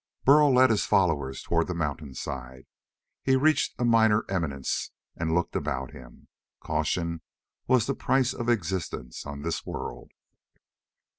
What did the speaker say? But Burl led his followers toward the mountainside. He reached a minor eminence and looked about him. Caution was the price of existence on this world.